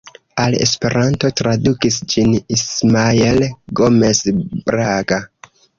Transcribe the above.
Al Esperanto tradukis ĝin Ismael Gomes Braga.